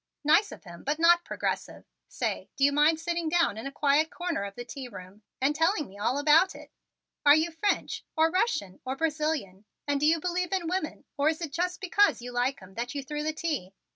Nice of him but not progressive. Say, do you mind sitting down in a quiet corner of the tea room and telling me all about it? Are you French or Russian or Brazilian, and do you believe in women, or is it just because you like 'em that you threw the tea?